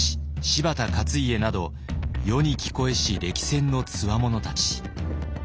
柴田勝家など世に聞こえし歴戦のつわものたち。